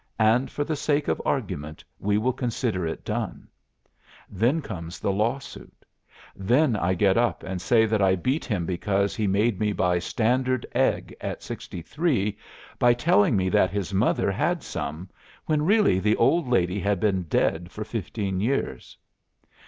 and for the sake of argument we will consider it done Then comes the lawsuit. Then I get up and say that I beat him because he made me buy Standard Egg at 63 by telling me that his mother had some, when really the old lady had been dead for fifteen years.